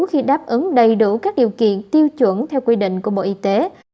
khi đáp ứng đầy đủ các điều kiện tiêu chuẩn theo quy định của bộ y tế